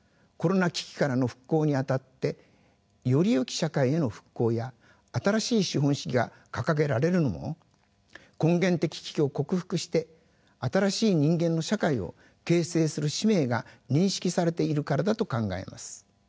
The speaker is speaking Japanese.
コロナ危機からの復興にあたってよりよき社会への復興や新しい資本主義が掲げられるのも根源的危機を克服して新しい人間の社会を形成する使命が認識されているからだと考えます。